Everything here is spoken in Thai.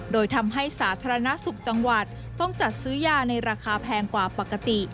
โดยทำให้สาธารณสุขจังหวัดต้องจัดซื้อยาในราคาแพงกว่าปกติ